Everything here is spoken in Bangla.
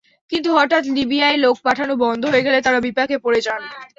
কিন্তু হঠাৎ লিবিয়ায় লোক পাঠানো বন্ধ হয়ে গেলে তাঁরা বিপাকে পড়ে যান।